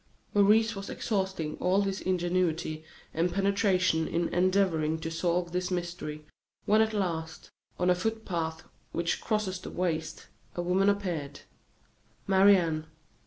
Maurice was exhausting all his ingenuity and penetration in endeavoring to solve this mystery, when at last, on a foot path which crosses the waste, a woman appeared Marie Anne.